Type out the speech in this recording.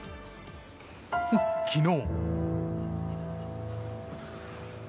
昨日。